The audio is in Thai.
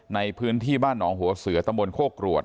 ในพื้นที่บ้านหนองหัวเสือตำบลโคกรวด